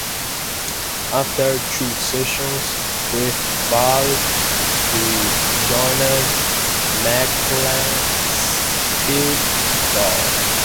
After two seasons with Vale he joined Macclesfield Town.